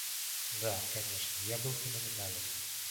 Да, конечно, я был феноменален!